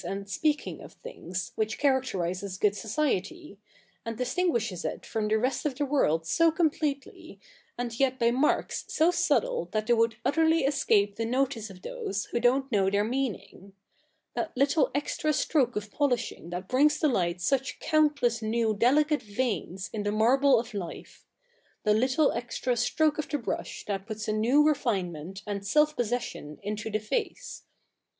hi and speaking of things, which characterises good society, and distinguishes it from the rest of the world so completely, and yet by marks so subde that they would utterly escape the notice of those who don't know their meaning — that little extra stroke of polishing that brings to light such countless new delicate veins in the marble of life — the little extra stroke of the brush that puts a new refinement, and self possession, into the face.